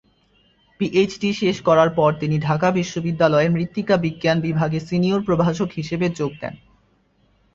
PhD শেষ করার পর তিনি ঢাকা বিশ্ববিদ্যালয়ের মৃত্তিকা বিজ্ঞান বিভাগে সিনিয়র প্রভাষক হিসাবে যোগ দেন।